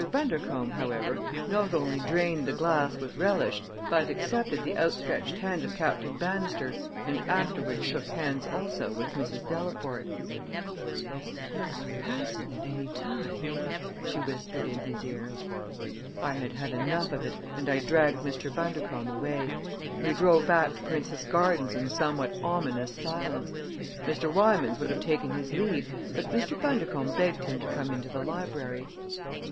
Bundercombe, however, not only drained the glass with relish but accepted the outstretched hand of Captain Bannister and afterward shook hands also with Mrs. Delaporte. "If you are passing at any time " she whispered in his ear. I had had enough of it and I dragged Mr. Bundercombe away. We drove back to Prince's Gardens in somewhat ominous silence. Mr. Wymans would have taken his leave, but Mr. Bundercombe begged him to come into the library.